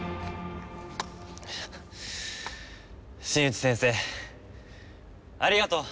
新内先生ありがとう